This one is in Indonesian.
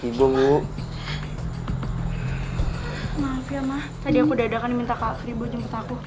tadi aku dadahkan minta kak fribo jemput aku